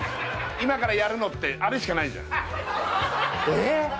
今からやるのってあれしかないじゃんえっ？